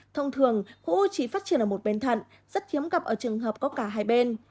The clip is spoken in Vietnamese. thông thường khối u chỉ phát triển ở một bên thận rất hiếm gặp ở trường hợp có cả hai bên